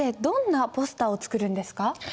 どんなポスターを作るんですか？